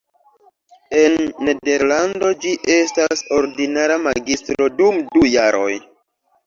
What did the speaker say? En Nederlando ĝi estas ordinara magistro dum du jaroj.